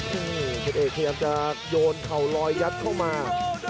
อื้อฮือเพชรเอกพยายามจะโยนเขาลอยยัดเข้ามา